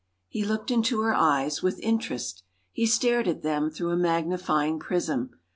He looked into her eyes—with interest he Stared at them through a magnifying prism.